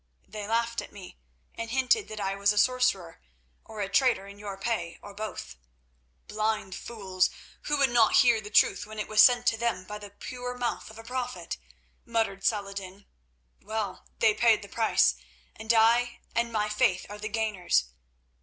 "They laughed at me, and hinted that I was a sorcerer, or a traitor in your pay, or both." "Blind fools, who would not hear the truth when it was sent to them by the pure mouth of a prophet," muttered Saladin. "Well, they paid the price, and I and my faith are the gainers.